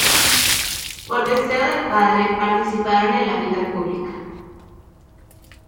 Por deseo del padre participaron en la vida pública.